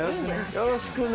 よろしくね。